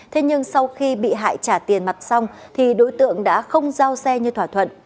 thế nhưng sau khi bị hại trả tiền mặt xong thì đối tượng đã không giao xe như thỏa thuận